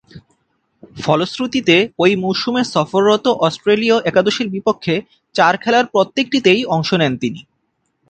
ফলশ্রুতিতে, ঐ মৌসুমে সফররত অস্ট্রেলীয় একাদশের বিপক্ষে চার খেলার প্রত্যেকটিতেই অংশ নেন তিনি।